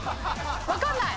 分かんない。